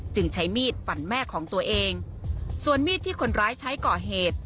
ใช้มีดปั่นแม่ของตัวเองส่วนมีดที่คนร้ายใช้ก่อเหตุ